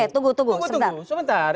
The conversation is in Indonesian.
tunggu tunggu sebentar